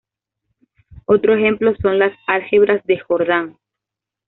Otro ejemplo son las álgebras de Jordan.